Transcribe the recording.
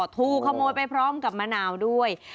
ถูกขโมยไปพร้อมกับมะนาวด้วย